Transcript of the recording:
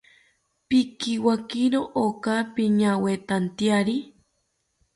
Pikiwakiro ako piñawetantyari